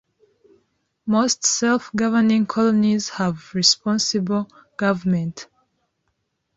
Most self-governing colonies have responsible government.